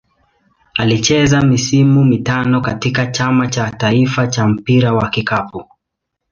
Alicheza misimu mitano katika Chama cha taifa cha mpira wa kikapu.